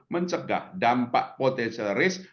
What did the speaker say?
mencegah dampak potensial risk